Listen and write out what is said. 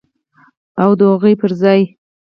او د هغوی پر ځای